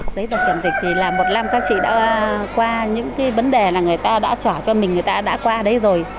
giấy tờ kiểm dịch thì là một năm các chị đã qua những cái vấn đề là người ta đã trả cho mình người ta đã qua đấy rồi